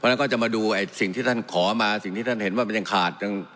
พอเราก็จะมาดูสิ่งที่ท่านขอมาสิ่งท่านเห็นว่ามันยังขาด